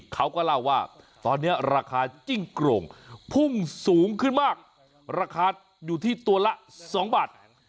เขาก็เล่าว่าตอนนี้ราคาจิ้งโกร่งพุ่งสูงขึ้นมากราคาอยู่ที่ตัวละ๒บาท